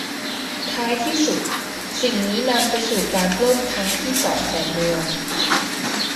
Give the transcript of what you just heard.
ท้ายที่สุด สิ่งนี้นำไปสู่การปล้นครั้งที่สองของเมือง